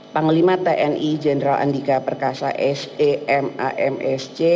panglima tni jenderal andika perkasa semamsc